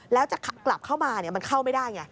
แล้วจะกลับเข้ามามันเข้าไม่ได้ไง